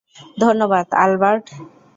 ধন্যবাদ, অ্যালবার্ট।